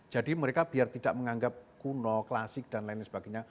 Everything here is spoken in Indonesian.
jadi mereka biar tidak menganggap kuno klasik dan lain sebagainya